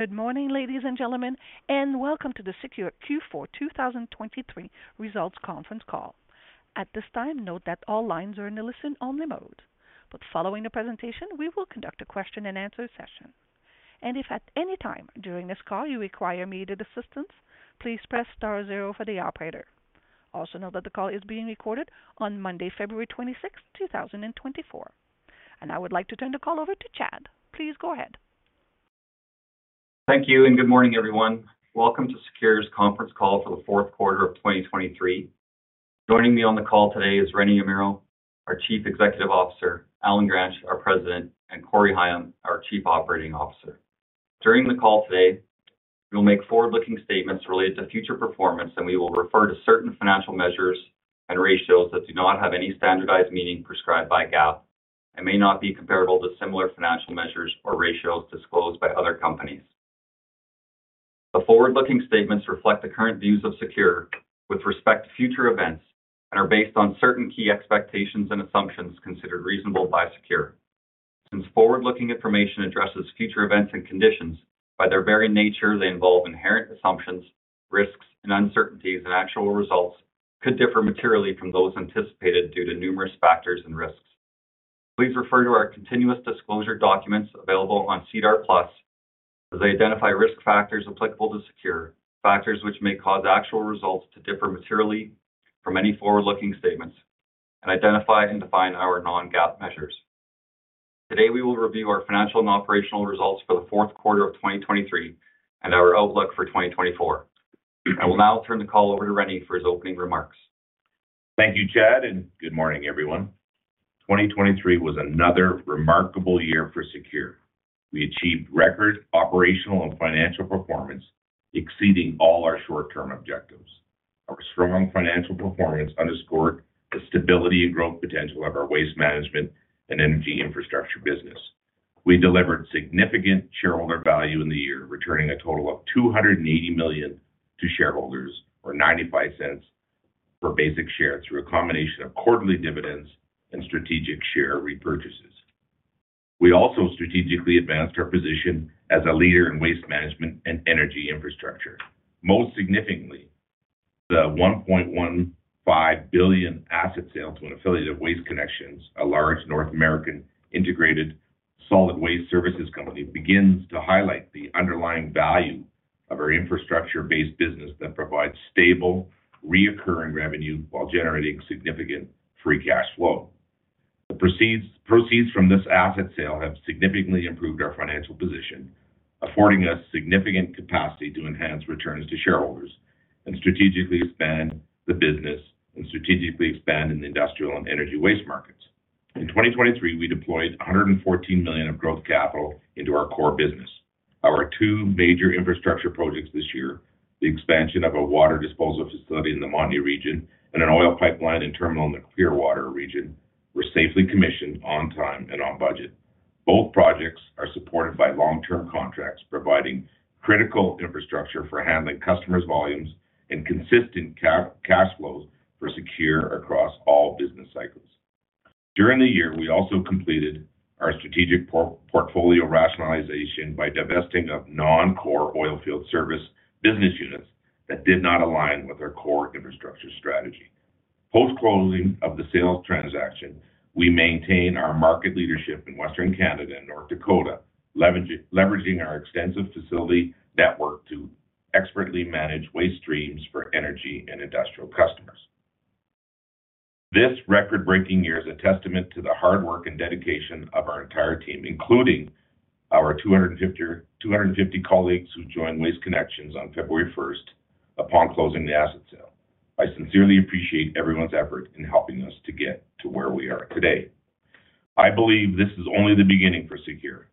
Good morning, ladies and gentlemen, and welcome to the SECURE Q4 2023 results conference call. At this time, note that all lines are in a listen-only mode, but following the presentation we will conduct a question-and-answer session. If at any time during this call you require immediate assistance, please press star 0 for the operator. Also note that the call is being recorded on Monday, February 26, 2024. I would like to turn the call over to Chad. Please go ahead. Thank you and good morning, everyone. Welcome to SECURE's conference call for the fourth quarter of 2023. Joining me on the call today is Rene Amirault, our Chief Executive Officer, Allen Gransch, our President, and Corey Higham, our Chief Operating Officer. During the call today, we will make forward-looking statements related to future performance, and we will refer to certain financial measures and ratios that do not have any standardized meaning prescribed by GAAP and may not be comparable to similar financial measures or ratios disclosed by other companies. The forward-looking statements reflect the current views of SECURE with respect to future events and are based on certain key expectations and assumptions considered reasonable by SECURE. Since forward-looking information addresses future events and conditions, by their very nature they involve inherent assumptions, risks, and uncertainties, and actual results could differ materially from those anticipated due to numerous factors and risks. Please refer to our continuous disclosure documents available on SEDAR+ as they identify risk factors applicable to SECURE, factors which may cause actual results to differ materially from any forward-looking statements, and identify and define our non-GAAP measures. Today we will review our financial and operational results for the fourth quarter of 2023 and our outlook for 2024. I will now turn the call over to Rene for his opening remarks. Thank you, Chad, and good morning, everyone. 2023 was another remarkable year for SECURE. We achieved record operational and financial performance exceeding all our short-term objectives. Our strong financial performance underscored the stability and growth potential of our waste management and energy infrastructure business. We delivered significant shareholder value in the year, returning a total of 280 million to shareholders, or 0.95 per basic share, through a combination of quarterly dividends and strategic share repurchases. We also strategically advanced our position as a leader in waste management and energy infrastructure. Most significantly, the 1.15 billion asset sale to an affiliate of Waste Connections, a large North American integrated solid waste services company, begins to highlight the underlying value of our infrastructure-based business that provides stable, reoccurring revenue while generating significant free cash flow. The proceeds from this asset sale have significantly improved our financial position, affording us significant capacity to enhance returns to shareholders and strategically expand the business and strategically expand in the industrial and energy waste markets. In 2023, we deployed 114 million of growth capital into our core business. Our two major infrastructure projects this year, the expansion of a water disposal facility in the Montney region and an oil pipeline and terminal in the Clearwater region, were safely commissioned on time and on budget. Both projects are supported by long-term contracts providing critical infrastructure for handling customers' volumes and consistent cash flows for SECURE across all business cycles. During the year, we also completed our strategic portfolio rationalization by divesting of non-core oilfield service business units that did not align with our core infrastructure strategy. Post-closing of the sales transaction, we maintain our market leadership in Western Canada and North Dakota, leveraging our extensive facility network to expertly manage waste streams for energy and industrial customers. This record-breaking year is a testament to the hard work and dedication of our entire team, including our 250 colleagues who joined Waste Connections on February 1st upon closing the asset sale. I sincerely appreciate everyone's effort in helping us to get to where we are today. I believe this is only the beginning for SECURE.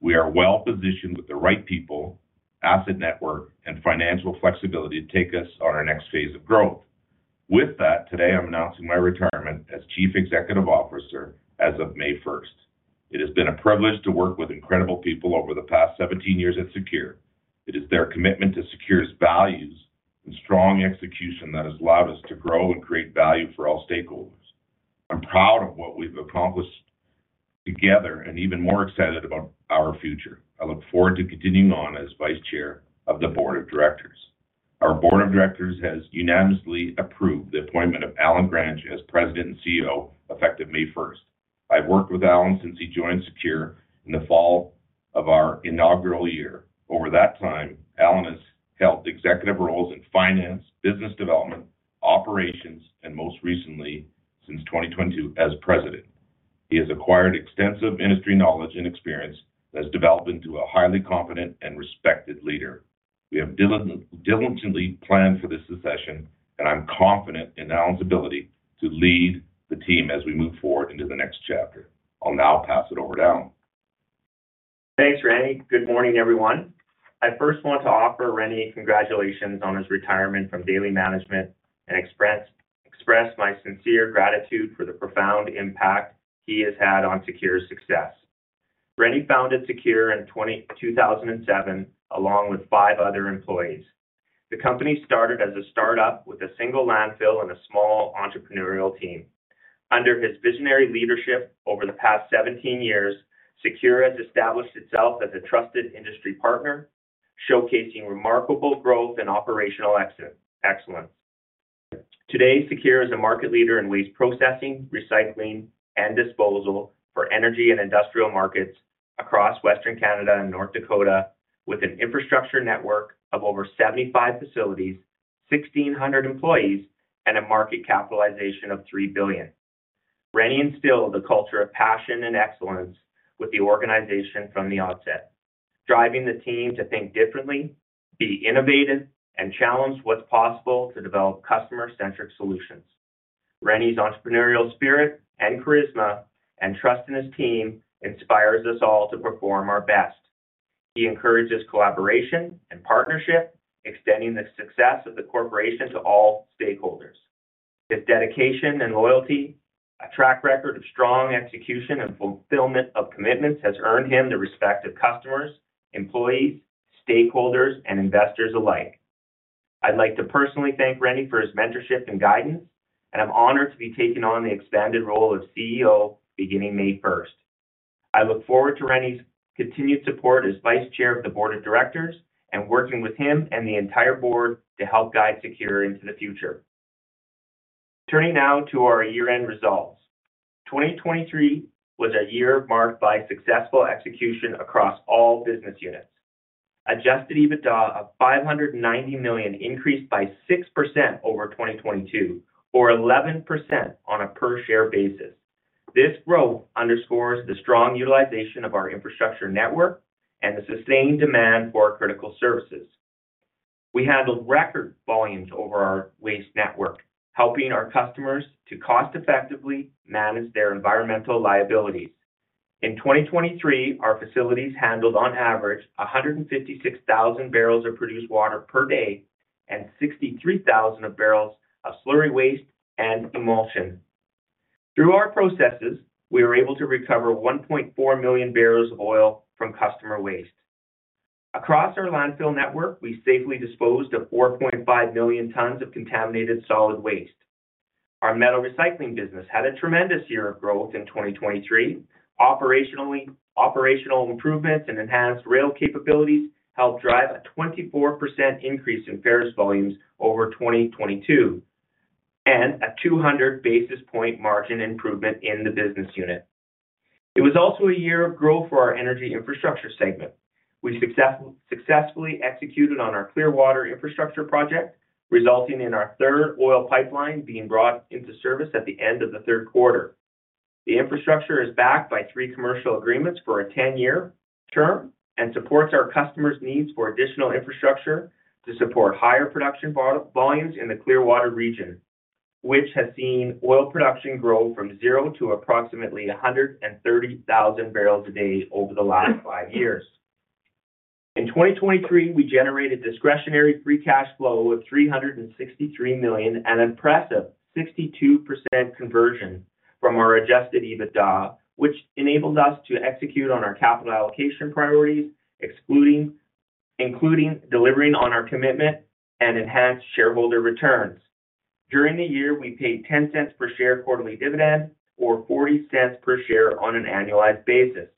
We are well positioned with the right people, asset network, and financial flexibility to take us on our next phase of growth. With that, today I'm announcing my retirement as Chief Executive Officer as of May 1st. It has been a privilege to work with incredible people over the past 17 years at SECURE. It is their commitment to SECURE's values and strong execution that has allowed us to grow and create value for all stakeholders. I'm proud of what we've accomplished together and even more excited about our future. I look forward to continuing on as Vice Chair of the Board of Directors. Our Board of Directors has unanimously approved the appointment of Allen Gransch as President and CEO effective May 1st. I've worked with Allen since he joined SECURE in the fall of our inaugural year. Over that time, Allen has held executive roles in finance, business development, operations, and most recently, since 2022, as President. He has acquired extensive industry knowledge and experience that has developed into a highly competent and respected leader. We have diligently planned for this succession, and I'm confident in Allen's ability to lead the team as we move forward into the next chapter. I'll now pass it over to Allen. Thanks, Rene. Good morning, everyone. I first want to offer Rene congratulations on his retirement from daily management and express my sincere gratitude for the profound impact he has had on SECURE's success. Rene founded SECURE in 2007 along with five other employees. The company started as a startup with a single landfill and a small entrepreneurial team. Under his visionary leadership over the past 17 years, SECURE has established itself as a trusted industry partner, showcasing remarkable growth and operational excellence. Today, SECURE is a market leader in waste processing, recycling, and disposal for energy and industrial markets across Western Canada and North Dakota, with an infrastructure network of over 75 facilities, 1,600 employees, and a market capitalization of 3 billion. Rene instilled a culture of passion and excellence with the organization from the outset, driving the team to think differently, be innovative, and challenge what's possible to develop customer-centric solutions. Rene's entrepreneurial spirit and charisma and trust in his team inspires us all to perform our best. He encourages collaboration and partnership, extending the success of the corporation to all stakeholders. His dedication and loyalty, a track record of strong execution and fulfillment of commitments, has earned him the respect of customers, employees, stakeholders, and investors alike. I'd like to personally thank Rene for his mentorship and guidance, and I'm honored to be taking on the expanded role of CEO beginning May 1st. I look forward to Rene's continued support as Vice Chair of the Board of Directors and working with him and the entire board to help guide SECURE into the future. Turning now to our year-end results. 2023 was a year marked by successful execution across all business units. Adjusted EBITDA of 590 million increased by 6% over 2022, or 11% on a per-share basis. This growth underscores the strong utilization of our infrastructure network and the sustained demand for critical services. We handled record volumes over our waste network, helping our customers to cost-effectively manage their environmental liabilities. In 2023, our facilities handled, on average, 156,000 barrels of produced water per day and 63,000 barrels of slurry waste and emulsion. Through our processes, we were able to recover 1.4 million barrels of oil from customer waste. Across our landfill network, we safely disposed of 4.5 million tons of contaminated solid waste. Our metal recycling business had a tremendous year of growth in 2023. Operational improvements and enhanced rail capabilities helped drive a 24% increase in ferrous volumes over 2022 and a 200 basis point margin improvement in the business unit. It was also a year of growth for our energy infrastructure segment. We successfully executed on our Clearwater infrastructure project, resulting in our third oil pipeline being brought into service at the end of the third quarter. The infrastructure is backed by three commercial agreements for a 10-year term and supports our customers' needs for additional infrastructure to support higher production volumes in the Clearwater region, which has seen oil production grow from zero to approximately 130,000 barrels a day over the last five years. In 2023, we generated Discretionary Free Cash Flow of 363 million and an impressive 62% conversion from our Adjusted EBITDA, which enabled us to execute on our capital allocation priorities, including delivering on our commitment and enhanced shareholder returns. During the year, we paid 0.10 per share quarterly dividend, or 0.40 per share on an annualized basis.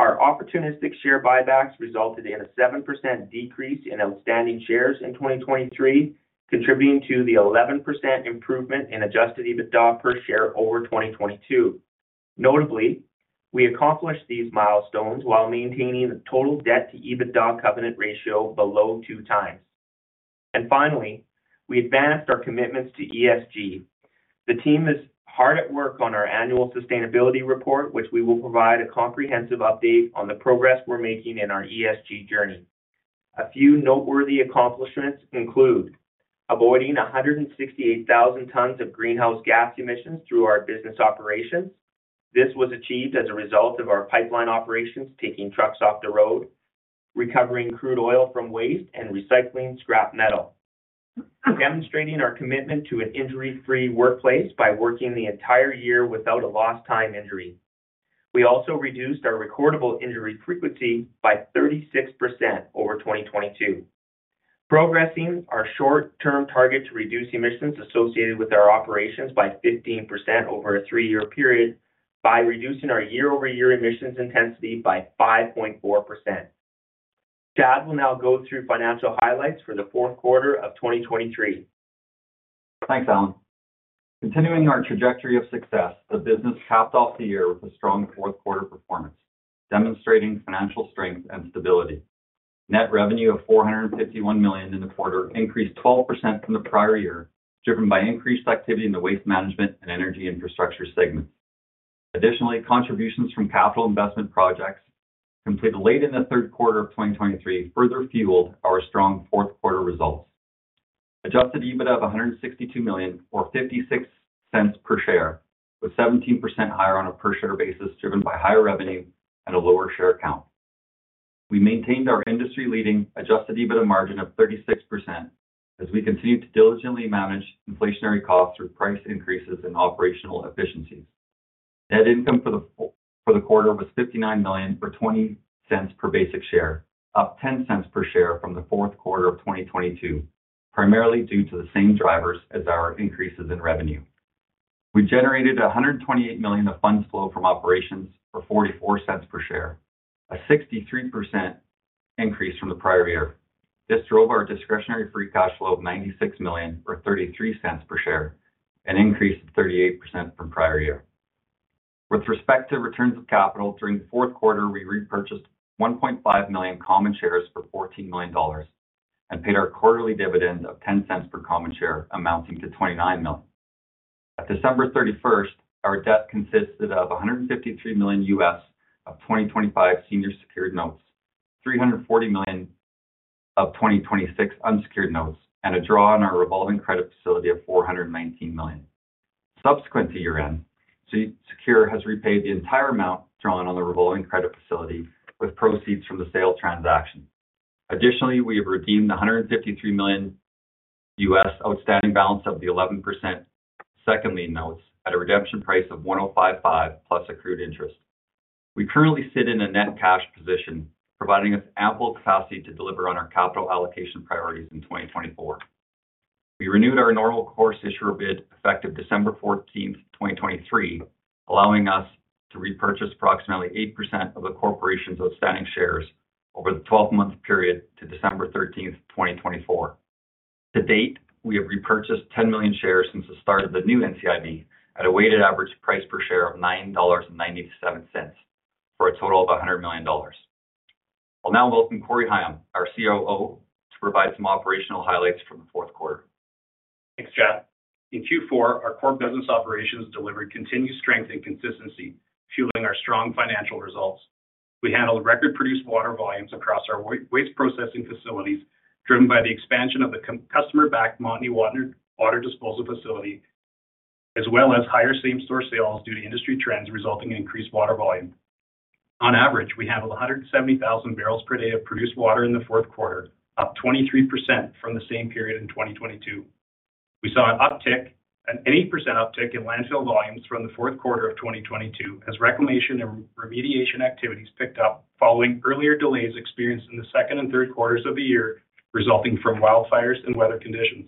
Our opportunistic share buybacks resulted in a 7% decrease in outstanding shares in 2023, contributing to the 11% improvement in Adjusted EBITDA per share over 2022. Notably, we accomplished these milestones while maintaining the total debt-to-EBITDA covenant ratio below two times. Finally, we advanced our commitments to ESG. The team is hard at work on our annual sustainability report, which we will provide a comprehensive update on the progress we're making in our ESG journey. A few noteworthy accomplishments include avoiding 168,000 tons of greenhouse gas emissions through our business operations. This was achieved as a result of our pipeline operations taking trucks off the road, recovering crude oil from waste, and recycling scrap metal, demonstrating our commitment to an injury-free workplace by working the entire year without a lost time injury. We also reduced our recordable injury frequency by 36% over 2022, progressing our short-term target to reduce emissions associated with our operations by 15% over a three-year period by reducing our year-over-year emissions intensity by 5.4%. Chad will now go through financial highlights for the fourth quarter of 2023. Thanks, Allen. Continuing our trajectory of success, the business capped off the year with a strong fourth quarter performance, demonstrating financial strength and stability. Net revenue of 451 million in the quarter increased 12% from the prior year, driven by increased activity in the waste management and energy infrastructure segments. Additionally, contributions from capital investment projects completed late in the third quarter of 2023 further fueled our strong fourth quarter results. Adjusted EBITDA of 162 million, or 0.56 per share, was 17% higher on a per-share basis, driven by higher revenue and a lower share count. We maintained our industry-leading adjusted EBITDA margin of 36% as we continued to diligently manage inflationary costs through price increases and operational efficiencies. Net income for the quarter was 59 million, or 0.20 per basic share, up 0.10 per share from the fourth quarter of 2022, primarily due to the same drivers as our increases in revenue. We generated 128 million of funds flow from operations, or 0.44 per share, a 63% increase from the prior year. This drove our discretionary free cash flow of 96 million, or 0.33 per share, an increase of 38% from prior year. With respect to returns of capital, during the fourth quarter, we repurchased 1.5 million common shares for 14 million dollars and paid our quarterly dividend of 0.10 per common share, amounting to 29 million. At December 31st, our debt consisted of 153 million of 2025 senior secured notes, 340 million of 2026 unsecured notes, and a draw on our revolving credit facility of 419 million. Subsequent to year-end, SECURE has repaid the entire amount drawn on the revolving credit facility with proceeds from the sale transaction. Additionally, we have redeemed the CAD 153 million outstanding balance of the 11% second lien notes at a redemption price of 1,055 plus accrued interest. We currently sit in a net cash position, providing us ample capacity to deliver on our capital allocation priorities in 2024. We renewed our normal course issuer bid effective December 14th, 2023, allowing us to repurchase approximately 8% of the corporation's outstanding shares over the 12-month period to December 13th, 2024. To date, we have repurchased 10 million shares since the start of the new NCIB at a weighted average price per share of 9.97 dollars for a total of 100 million dollars. I'll now welcome Corey Higham, our COO, to provide some operational highlights from the fourth quarter. Thanks, Chad. In Q4, our core business operations delivered continued strength and consistency, fueling our strong financial results. We handled record produced-water volumes across our waste processing facilities, driven by the expansion of the customer-backed Montney Water Disposal Facility, as well as higher same-store sales due to industry trends resulting in increased water volume. On average, we handled 170,000 barrels per day of produced water in the fourth quarter, up 23% from the same period in 2022. We saw an uptick, an 8% uptick in landfill volumes from the fourth quarter of 2022, as reclamation and remediation activities picked up following earlier delays experienced in the second and third quarters of the year, resulting from wildfires and weather conditions.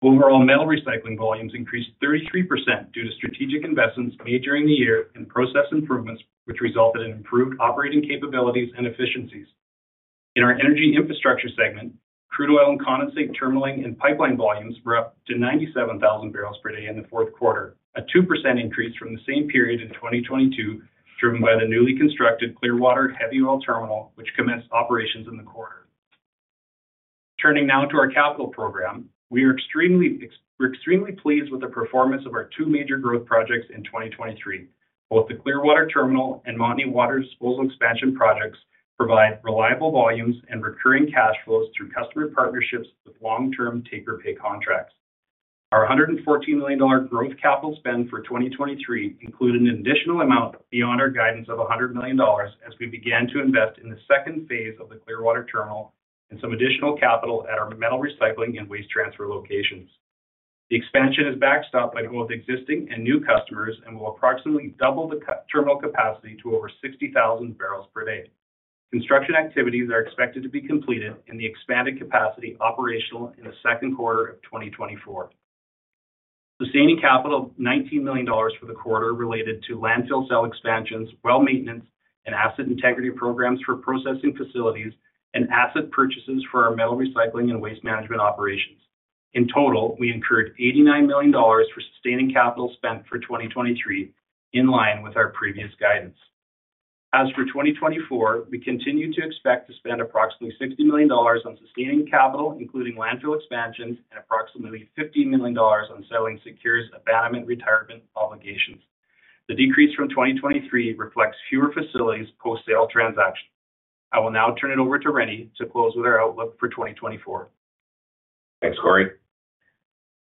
Overall, metals recycling volumes increased 33% due to strategic investments made during the year and process improvements, which resulted in improved operating capabilities and efficiencies. In our energy infrastructure segment, crude oil and condensate terminaling and pipeline volumes were up to 97,000 barrels per day in the fourth quarter, a 2% increase from the same period in 2022, driven by the newly constructed Clearwater heavy oil terminal, which commenced operations in the quarter. Turning now to our capital program, we are extremely pleased with the performance of our two major growth projects in 2023. Both the Clearwater Terminal and Montney Water Disposal Expansion projects provide reliable volumes and recurring cash flows through customer partnerships with long-term take-or-pay contracts. Our 114 million dollar growth capital spend for 2023 included an additional amount beyond our guidance of 100 million dollars as we began to invest in the second phase of the Clearwater Terminal and some additional capital at our metals recycling and waste transfer locations. The expansion is backstopped by both existing and new customers and will approximately double the terminal capacity to over 60,000 barrels per day. Construction activities are expected to be completed in the expanded capacity operational in the second quarter of 2024. Sustaining capital, 19 million dollars for the quarter related to landfill cell expansions, well maintenance, and asset integrity programs for processing facilities, and asset purchases for our metal recycling and waste management operations. In total, we incurred 89 million dollars for sustaining capital spent for 2023 in line with our previous guidance. As for 2024, we continue to expect to spend approximately 60 million dollars on sustaining capital, including landfill expansions, and approximately 15 million dollars on settling SECURE's abandonment retirement obligations. The decrease from 2023 reflects fewer facilities post-sale transactions. I will now turn it over to Rene to close with our outlook for 2024. Thanks, Corey.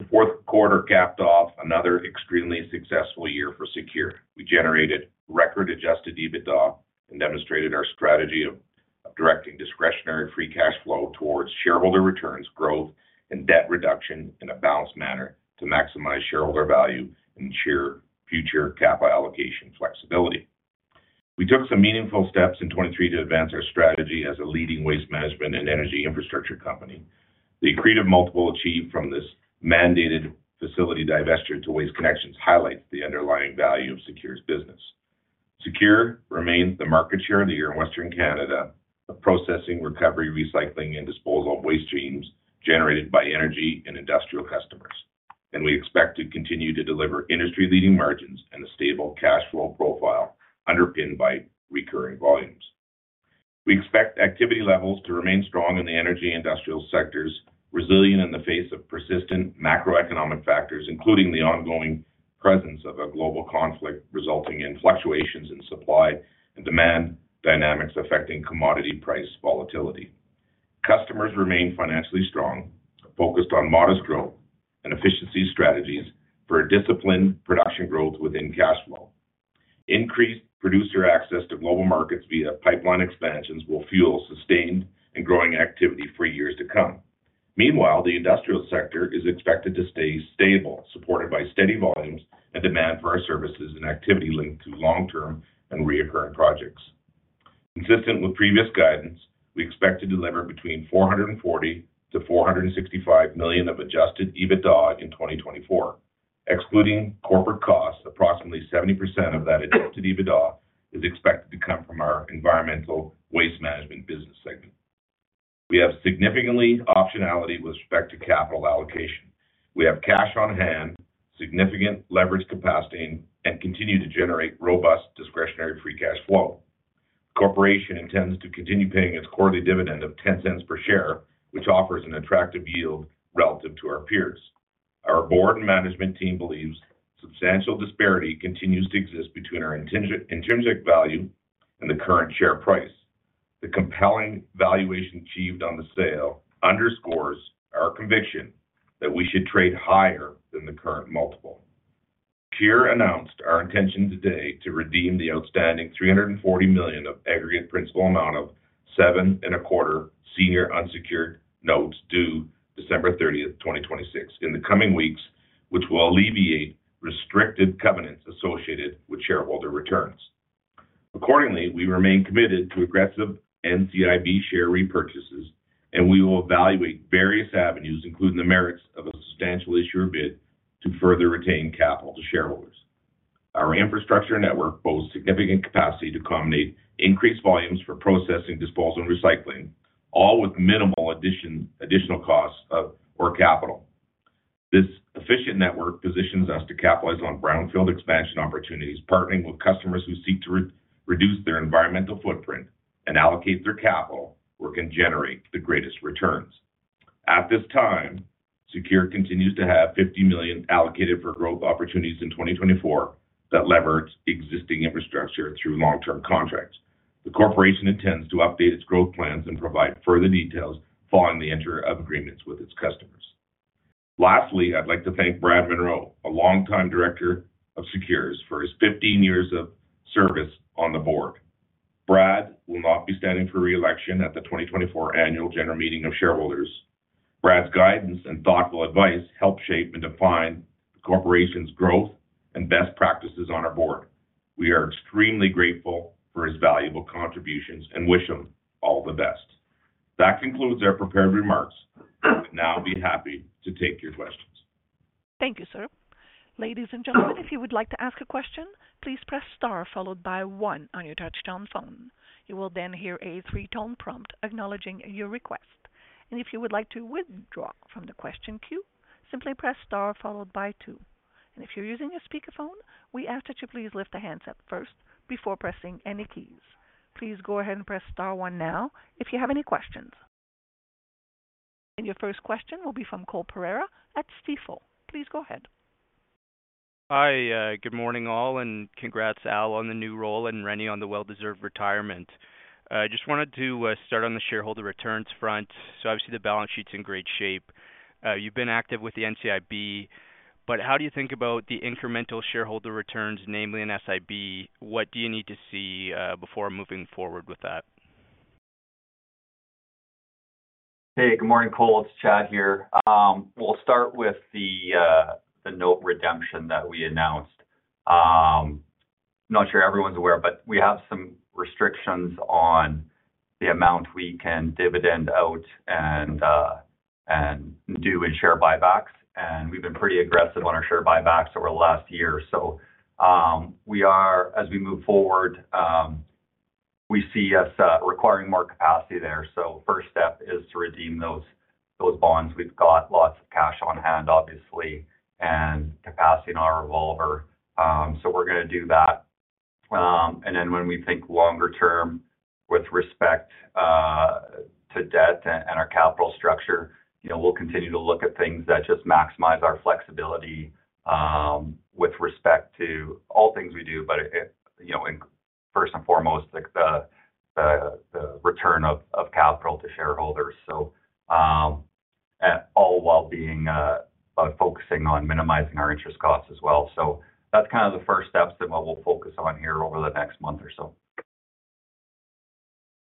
The fourth quarter capped off another extremely successful year for SECURE. We generated record Adjusted EBITDA and demonstrated our strategy of directing Discretionary Free Cash Flow towards shareholder returns, growth, and debt reduction in a balanced manner to maximize shareholder value and ensure future capital allocation flexibility. We took some meaningful steps in 2023 to advance our strategy as a leading waste management and energy infrastructure company. The accretive multiple achieved from this mandated facility divestiture to Waste Connections highlights the underlying value of SECURE's business. SECURE remains the market share leader in Western Canada of processing, recovery, recycling, and disposal of waste streams generated by energy and industrial customers, and we expect to continue to deliver industry-leading margins and a stable cash flow profile underpinned by recurring volumes. We expect activity levels to remain strong in the energy and industrial sectors, resilient in the face of persistent macroeconomic factors, including the ongoing presence of a global conflict resulting in fluctuations in supply and demand dynamics affecting commodity price volatility. Customers remain financially strong, focused on modest growth, and efficiency strategies for disciplined production growth within cash flow. Increased producer access to global markets via pipeline expansions will fuel sustained and growing activity for years to come. Meanwhile, the industrial sector is expected to stay stable, supported by steady volumes and demand for our services and activity linked to long-term and recurring projects. Consistent with previous guidance, we expect to deliver between 440 million-465 million of Adjusted EBITDA in 2024. Excluding corporate costs, approximately 70% of that Adjusted EBITDA is expected to come from our Environmental Waste Management business segment. We have significant optionality with respect to capital allocation. We have cash on hand, significant leverage capacity, and continue to generate robust discretionary free cash flow. The corporation intends to continue paying its quarterly dividend of 0.10 per share, which offers an attractive yield relative to our peers. Our board and management team believes substantial disparity continues to exist between our intrinsic value and the current share price. The compelling valuation achieved on the sale underscores our conviction that we should trade higher than the current multiple. SECURE announced our intention today to redeem the outstanding 340 million of aggregate principal amount of 7.25 senior unsecured notes due December 30th, 2026, in the coming weeks, which will alleviate restricted covenants associated with shareholder returns. Accordingly, we remain committed to aggressive NCIB share repurchases, and we will evaluate various avenues, including the merits of a substantial issuer bid to further retain capital to shareholders. Our infrastructure network boasts significant capacity to accommodate increased volumes for processing, disposal, and recycling, all with minimal additional costs or capital. This efficient network positions us to capitalize on brownfield expansion opportunities, partnering with customers who seek to reduce their environmental footprint and allocate their capital where it can generate the greatest returns. At this time, SECURE continues to have 50 million allocated for growth opportunities in 2024 that leverage existing infrastructure through long-term contracts. The corporation intends to update its growth plans and provide further details following the entry of agreements with its customers. Lastly, I'd like to thank Brad Munro, a longtime director of SECURE's, for his 15 years of service on the board. Brad will not be standing for reelection at the 2024 annual general meeting of shareholders. Brad's guidance and thoughtful advice help shape and define the corporation's growth and best practices on our board. We are extremely grateful for his valuable contributions and wish him all the best. That concludes our prepared remarks. I would now be happy to take your questions. Thank you, sir. Ladies and gentlemen, if you would like to ask a question, please press star followed by one on your touch-tone phone. You will then hear a three-tone prompt acknowledging your request. If you would like to withdraw from the question queue, simply press star followed by two. If you're using a speakerphone, we ask that you please lift the handset up first before pressing any keys. Please go ahead and press star one now if you have any questions. Your first question will be from Cole Pereira at Stifel. Please go ahead. Hi. Good morning, all, and congrats, Al, on the new role and Rene on the well-deserved retirement. I just wanted to start on the shareholder returns front. So obviously, the balance sheet's in great shape. You've been active with the NCIB, but how do you think about the incremental shareholder returns, namely in SIB? What do you need to see before moving forward with that? Hey, good morning, Cole. It's Chad here. We'll start with the note redemption that we announced. I'm not sure everyone's aware, but we have some restrictions on the amount we can dividend out and do in share buybacks. And we've been pretty aggressive on our share buybacks over the last year. So as we move forward, we see us requiring more capacity there. So first step is to redeem those bonds. We've got lots of cash on hand, obviously, and capacity in our revolver. So we're going to do that. And then when we think longer-term with respect to debt and our capital structure, we'll continue to look at things that just maximize our flexibility with respect to all things we do, but first and foremost, the return of capital to shareholders, all while focusing on minimizing our interest costs as well. That's kind of the first steps and what we'll focus on here over the next month or so.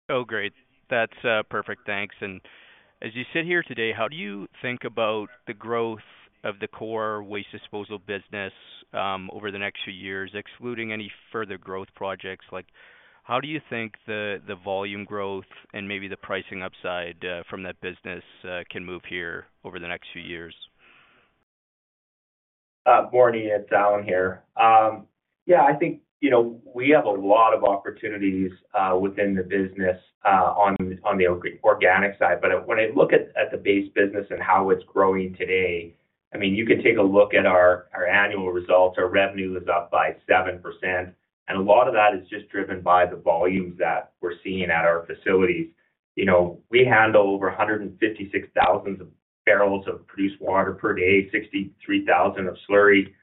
Oh, great. That's perfect. Thanks. As you sit here today, how do you think about the growth of the core waste disposal business over the next few years, excluding any further growth projects? How do you think the volume growth and maybe the pricing upside from that business can move here over the next few years? Morning, it's Allen here. Yeah, I think we have a lot of opportunities within the business on the organic side. But when I look at the base business and how it's growing today, I mean, you can take a look at our annual results. Our revenue is up by 7%, and a lot of that is just driven by the volumes that we're seeing at our facilities. We handle over 156,000 barrels of produced water per day, 63,000 of slurry.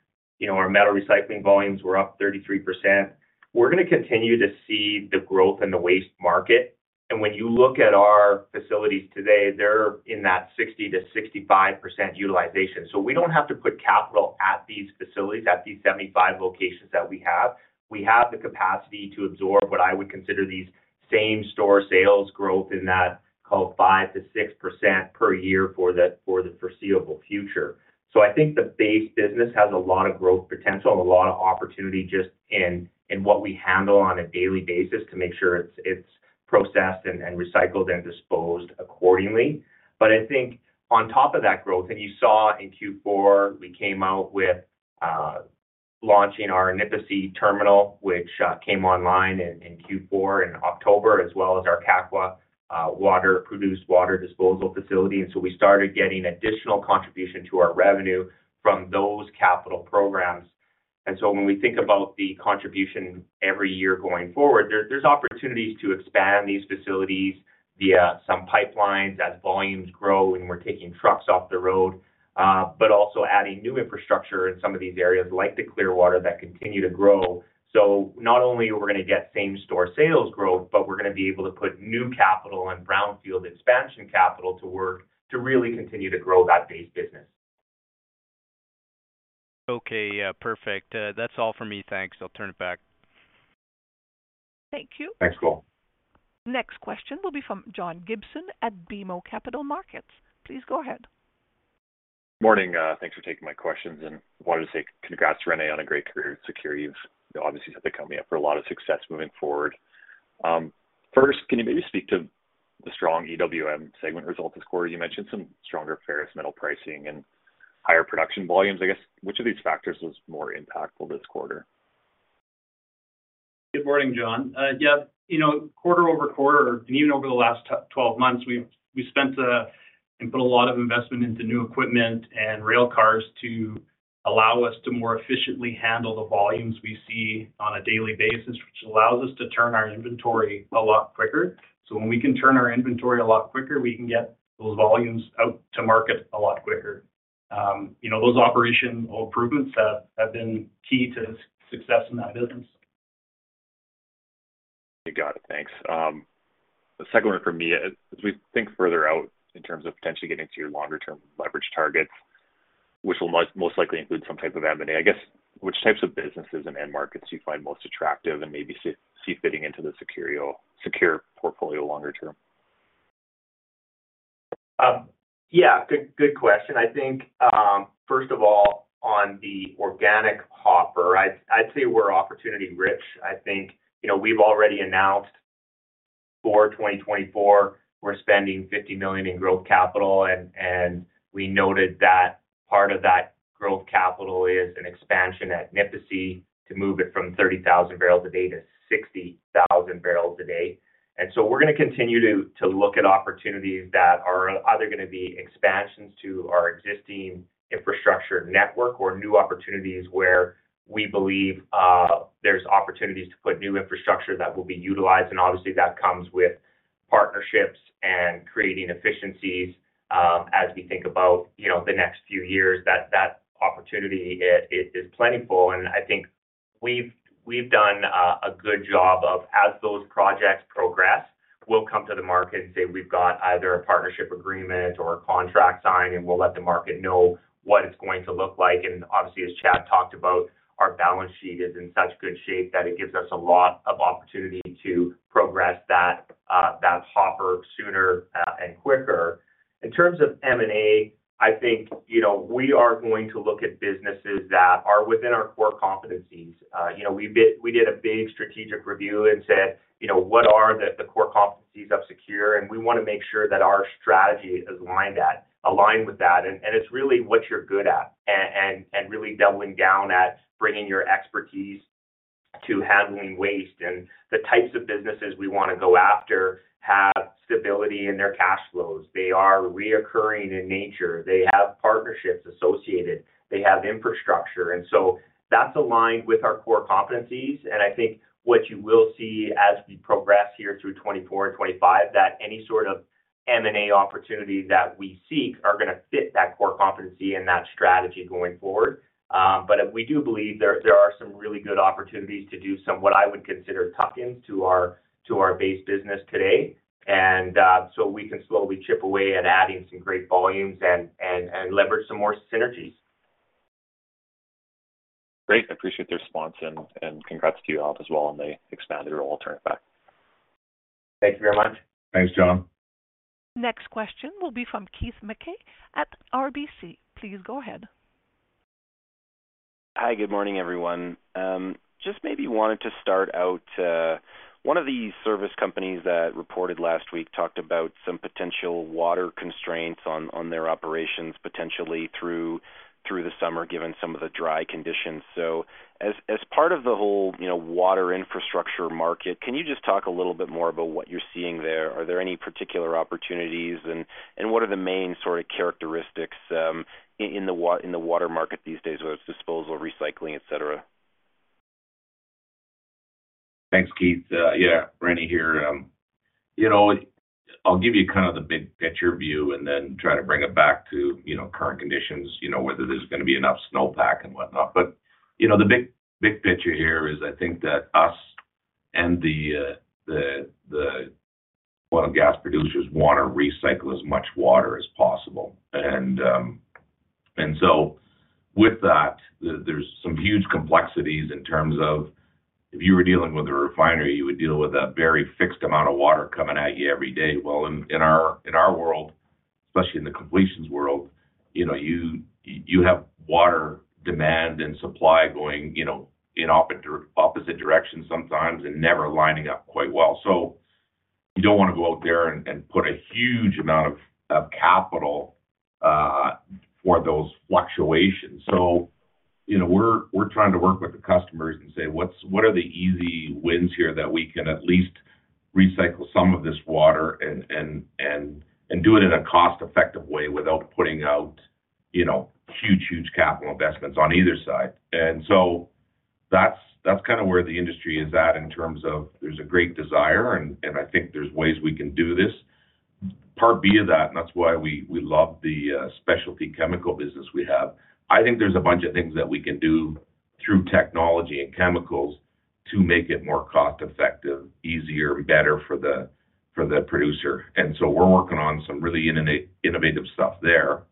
Our metal recycling volumes were up 33%. We're going to continue to see the growth in the waste market. And when you look at our facilities today, they're in that 60%-65% utilization. So we don't have to put capital at these facilities, at these 75 locations that we have. We have the capacity to absorb what I would consider these same-store sales growth in that called 5%-6% per year for the foreseeable future. So I think the base business has a lot of growth potential and a lot of opportunity just in what we handle on a daily basis to make sure it's processed and recycled and disposed accordingly. But I think on top of that growth, and you saw in Q4, we came out with launching our Nipisi Terminal, which came online in Q4 in October, as well as our Kakwa produced water disposal facility. So we started getting additional contribution to our revenue from those capital programs. And so when we think about the contribution every year going forward, there's opportunities to expand these facilities via some pipelines as volumes grow and we're taking trucks off the road, but also adding new infrastructure in some of these areas like the Clearwater that continue to grow. So not only are we going to get same-store sales growth, but we're going to be able to put new capital and brownfield expansion capital to work to really continue to grow that base business. Okay, perfect. That's all for me. Thanks. I'll turn it back. Thank you. Thanks, Cole. Next question will be from John Gibson at BMO Capital Markets. Please go ahead. Morning. Thanks for taking my questions. I wanted to say congrats, Rene, on a great career at SECURE. You've obviously set the company up for a lot of success moving forward. First, can you maybe speak to the strong EWM segment results this quarter? You mentioned some stronger ferrous metal pricing and higher production volumes. I guess, which of these factors was more impactful this quarter? Good morning, John. Yeah, quarter-over-quarter, and even over the last 12 months, we've spent and put a lot of investment into new equipment and railcars to allow us to more efficiently handle the volumes we see on a daily basis, which allows us to turn our inventory a lot quicker. So when we can turn our inventory a lot quicker, we can get those volumes out to market a lot quicker. Those operational improvements have been key to the success in that business. You got it. Thanks. The second one from me is we think further out in terms of potentially getting to your longer-term leverage targets, which will most likely include some type of M&A. I guess, which types of businesses and markets do you find most attractive and maybe see fitting into the SECURE portfolio longer term? Yeah, good question. I think, first of all, on the organic hopper, I'd say we're opportunity-rich. I think we've already announced for 2024, we're spending 50 million in growth capital, and we noted that part of that growth capital is an expansion at Nisku to move it from 30,000 barrels a day to 60,000 barrels a day. And so we're going to continue to look at opportunities that are either going to be expansions to our existing infrastructure network or new opportunities where we believe there's opportunities to put new infrastructure that will be utilized. And obviously, that comes with partnerships and creating efficiencies as we think about the next few years. That opportunity, it is plentiful. I think we've done a good job of, as those projects progress, we'll come to the market and say we've got either a partnership agreement or a contract signed, and we'll let the market know what it's going to look like. Obviously, as Chad talked about, our balance sheet is in such good shape that it gives us a lot of opportunity to progress that hopper sooner and quicker. In terms of M&A, I think we are going to look at businesses that are within our core competencies. We did a big strategic review and said, "What are the core competencies of SECURE?" We want to make sure that our strategy is aligned with that. It's really what you're good at and really doubling down at bringing your expertise to handling waste. The types of businesses we want to go after have stability in their cash flows. They are reoccurring in nature. They have partnerships associated. They have infrastructure. And so that's aligned with our core competencies. And I think what you will see as we progress here through 2024 and 2025, that any sort of M&A opportunity that we seek are going to fit that core competency and that strategy going forward. But we do believe there are some really good opportunities to do some what I would consider tuck-ins to our base business today. And so we can slowly chip away at adding some great volumes and leverage some more synergies. Great. I appreciate their response, and congrats to you all as well on the expanded role. I'll turn it back. Thank you very much. Thanks, John. Next question will be from Keith MacKey at RBC. Please go ahead. Hi. Good morning, everyone. Just maybe wanted to start out. One of these service companies that reported last week talked about some potential water constraints on their operations, potentially through the summer, given some of the dry conditions. So as part of the whole water infrastructure market, can you just talk a little bit more about what you're seeing there? Are there any particular opportunities, and what are the main sort of characteristics in the water market these days, whether it's disposal, recycling, etc.? Thanks, Keith. Yeah, Rene here. I'll give you kind of the big picture view and then try to bring it back to current conditions, whether there's going to be enough snowpack and whatnot. But the big picture here is I think that us and the oil and gas producers want to recycle as much water as possible. And so with that, there's some huge complexities in terms of if you were dealing with a refinery, you would deal with a very fixed amount of water coming at you every day. Well, in our world, especially in the completions world, you have water demand and supply going in opposite directions sometimes and never lining up quite well. So you don't want to go out there and put a huge amount of capital for those fluctuations. So we're trying to work with the customers and say, "What are the easy wins here that we can at least recycle some of this water and do it in a cost-effective way without putting out huge, huge capital investments on either side?" And so that's kind of where the industry is at in terms of there's a great desire, and I think there's ways we can do this. Part B of that, and that's why we love the specialty chemical business we have, I think there's a bunch of things that we can do through technology and chemicals to make it more cost-effective, easier, and better for the producer. And so we're working on some really innovative stuff there,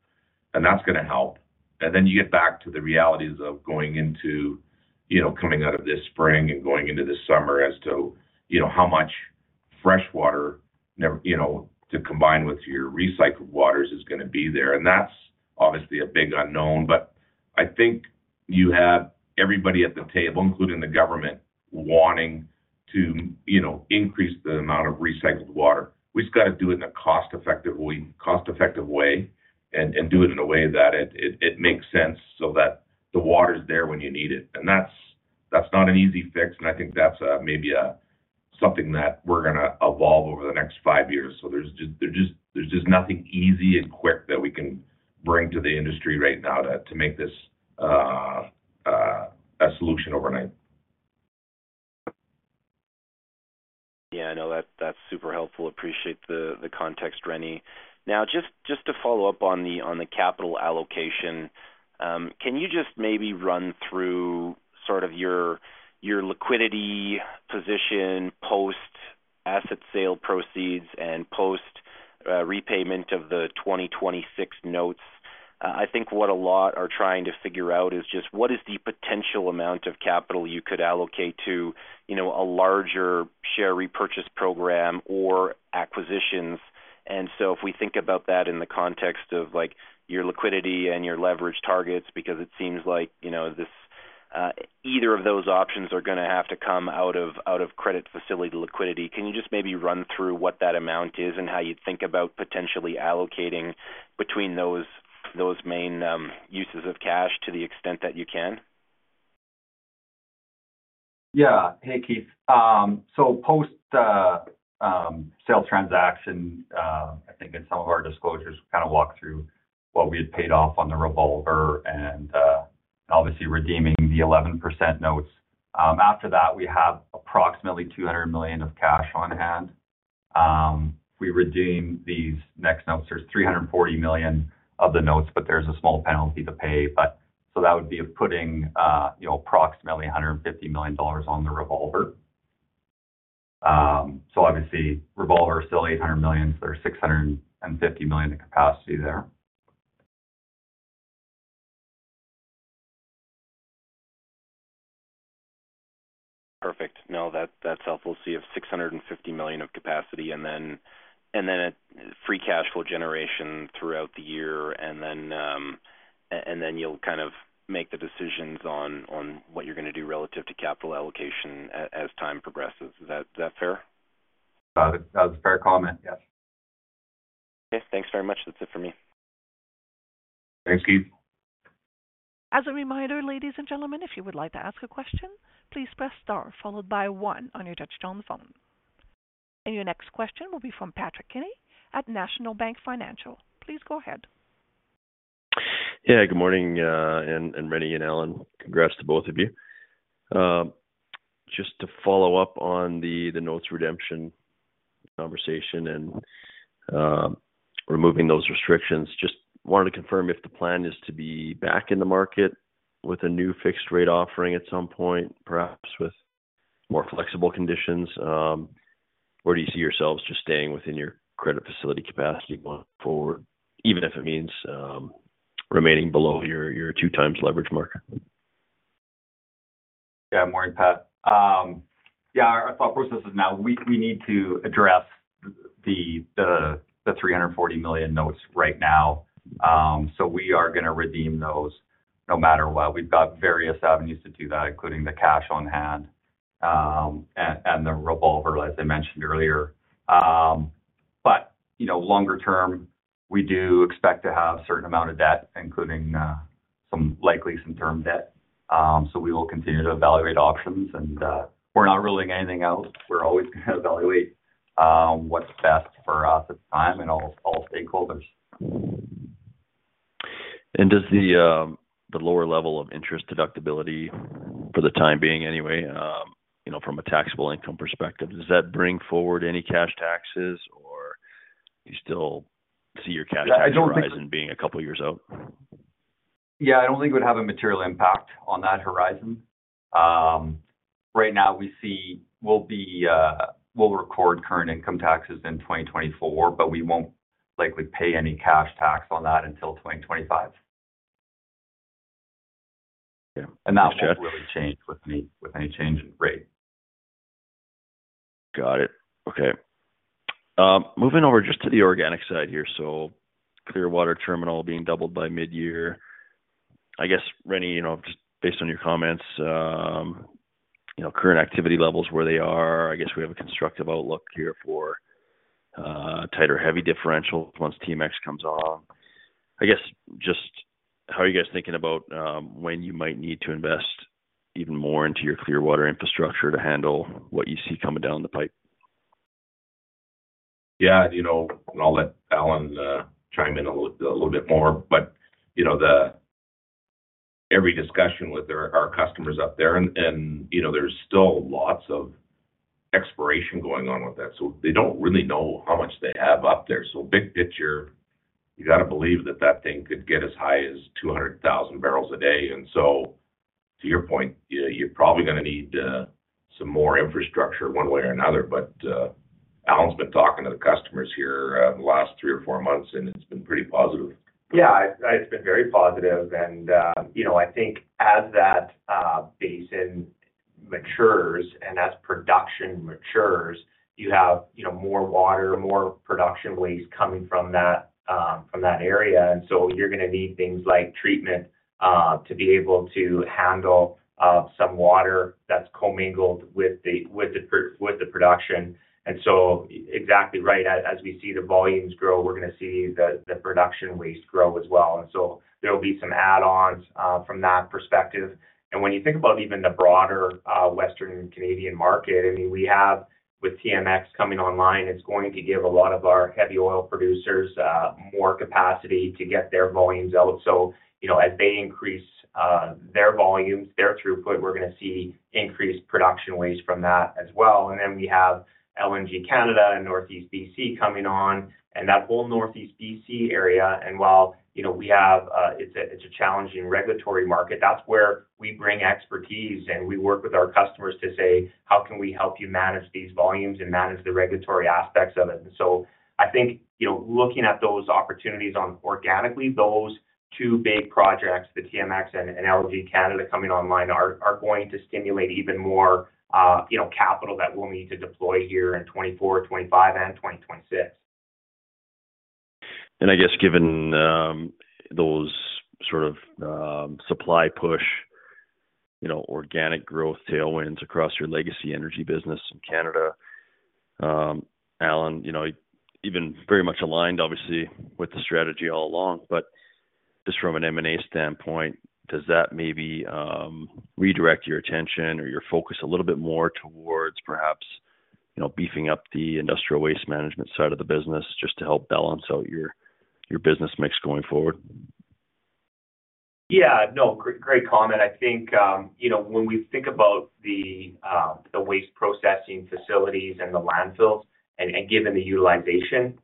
and that's going to help. And then you get back to the realities of coming out of this spring and going into this summer as to how much freshwater to combine with your recycled waters is going to be there. And that's obviously a big unknown. But I think you have everybody at the table, including the government, wanting to increase the amount of recycled water. We just got to do it in a cost-effective way and do it in a way that it makes sense so that the water's there when you need it. And that's not an easy fix. And I think that's maybe something that we're going to evolve over the next five years. So there's just nothing easy and quick that we can bring to the industry right now to make this a solution overnight. Yeah, I know. That's super helpful. Appreciate the context, Rene. Now, just to follow up on the capital allocation, can you just maybe run through sort of your liquidity position post-asset sale proceeds and post-repayment of the 2026 notes? I think what a lot are trying to figure out is just what is the potential amount of capital you could allocate to a larger share repurchase program or acquisitions? And so if we think about that in the context of your liquidity and your leverage targets, because it seems like either of those options are going to have to come out of credit facility liquidity, can you just maybe run through what that amount is and how you'd think about potentially allocating between those main uses of cash to the extent that you can? Yeah. Hey, Keith. So post-sale transaction, I think in some of our disclosures, we kind of walked through what we had paid off on the revolver and obviously redeeming the 11% notes. After that, we have approximately 200 million of cash on hand. If we redeem these next notes, there's 340 million of the notes, but there's a small penalty to pay. So that would be putting approximately 150 million dollars on the revolver. So obviously, revolver still 800 million. There's 650 million of capacity there. Perfect. No, that's helpful to see of 650 million of capacity and then free cash flow generation throughout the year, and then you'll kind of make the decisions on what you're going to do relative to capital allocation as time progresses. Is that fair? That was a fair comment. Yes. Okay. Thanks very much. That's it for me. Thanks, Keith. As a reminder, ladies and gentlemen, if you would like to ask a question, please press star followed by one on your touchscreen on the phone. Your next question will be from Patrick Kenny at National Bank Financial. Please go ahead. Yeah. Good morning, and Rene and Allen. Congrats to both of you. Just to follow up on the notes redemption conversation and removing those restrictions, just wanted to confirm if the plan is to be back in the market with a new fixed-rate offering at some point, perhaps with more flexible conditions, or do you see yourselves just staying within your credit facility capacity going forward, even if it means remaining below your two-times leverage mark? Yeah, I'm more in path. Yeah, our thought process is now we need to address the 340 million notes right now. So we are going to redeem those no matter what. We've got various avenues to do that, including the cash on hand and the revolver, as I mentioned earlier. But longer term, we do expect to have a certain amount of debt, including likely some term debt. So we will continue to evaluate options. And we're not ruling anything out. We're always going to evaluate what's best for us at the time and all stakeholders. Does the lower level of interest deductibility for the time being anyway, from a taxable income perspective, does that bring forward any cash taxes, or do you still see your cash tax horizon being a couple of years out? Yeah, I don't think it would have a material impact on that horizon. Right now, we'll record current income taxes in 2024, but we won't likely pay any cash tax on that until 2025. That won't really change with any change in rate. Got it. Okay. Moving over just to the organic side here. So Clearwater terminal being doubled by mid-year. I guess, Rene, just based on your comments, current activity levels, where they are, I guess we have a constructive outlook here for tighter heavy differentials once TMX comes on. I guess just how are you guys thinking about when you might need to invest even more into your Clearwater infrastructure to handle what you see coming down the pipe? Yeah. I'll let Allen chime in a little bit more. Every discussion with our customers up there, and there's still lots of exploration going on with that. They don't really know how much they have up there. Big picture, you got to believe that that thing could get as high as 200,000 barrels a day. To your point, you're probably going to need some more infrastructure one way or another. Allen's been talking to the customers here the last three or four months, and it's been pretty positive. Yeah, it's been very positive. And I think as that basin matures and as production matures, you have more water, more production waste coming from that area. And so you're going to need things like treatment to be able to handle some water that's co-mingled with the production. And so exactly right. As we see the volumes grow, we're going to see the production waste grow as well. And so there will be some add-ons from that perspective. And when you think about even the broader Western Canadian market, I mean, we have with TMX coming online, it's going to give a lot of our heavy oil producers more capacity to get their volumes out. So as they increase their volumes, their throughput, we're going to see increased production waste from that as well. Then we have LNG Canada and Northeast BC coming on and that whole Northeast BC area. While we have, it's a challenging regulatory market, that's where we bring expertise, and we work with our customers to say, "How can we help you manage these volumes and manage the regulatory aspects of it?" So I think looking at those opportunities organically, those two big projects, the TMX and LNG Canada coming online, are going to stimulate even more capital that we'll need to deploy here in 2024, 2025, and 2026. I guess given those sort of supply push, organic growth tailwinds across your legacy energy business in Canada, Allen, even very much aligned, obviously, with the strategy all along. But just from an M&A standpoint, does that maybe redirect your attention or your focus a little bit more towards perhaps beefing up the industrial waste management side of the business just to help balance out your business mix going forward? Yeah. No, great comment. I think when we think about the waste processing facilities and the landfills and given the utilization,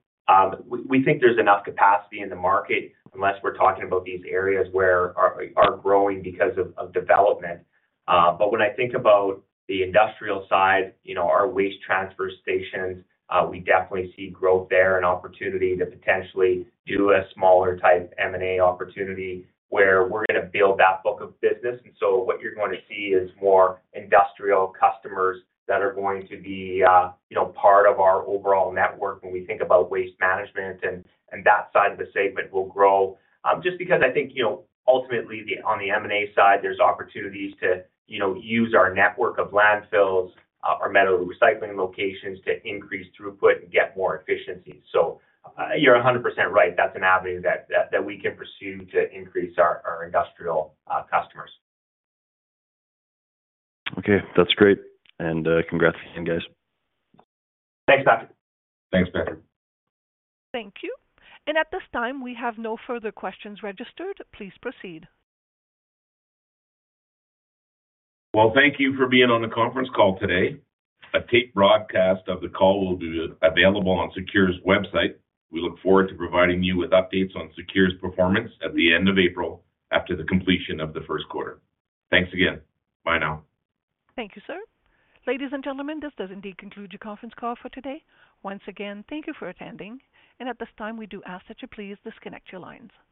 we think there's enough capacity in the market unless we're talking about these areas where are growing because of development. But when I think about the industrial side, our waste transfer stations, we definitely see growth there and opportunity to potentially do a smaller type M&A opportunity where we're going to build that book of business. And so what you're going to see is more industrial customers that are going to be part of our overall network when we think about waste management. And that side of the segment will grow just because I think ultimately, on the M&A side, there's opportunities to use our network of landfills, our metal recycling locations to increase throughput and get more efficiencies. So you're 100% right. That's an avenue that we can pursue to increase our industrial customers. Okay. That's great. Congrats again, guys. Thanks, Patrick. Thanks, Chad. Thank you. At this time, we have no further questions registered. Please proceed. Well, thank you for being on the conference call today. A taped broadcast of the call will be available on SECURE's website. We look forward to providing you with updates on SECURE's performance at the end of April after the completion of the first quarter. Thanks again. Bye now. Thank you, sir. Ladies and gentlemen, this does indeed conclude your conference call for today. Once again, thank you for attending. At this time, we do ask that you please disconnect your lines.